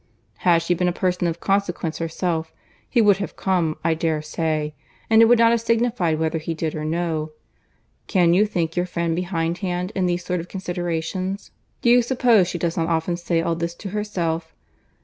Had she been a person of consequence herself, he would have come I dare say; and it would not have signified whether he did or no. Can you think your friend behindhand in these sort of considerations? Do you suppose she does not often say all this to herself?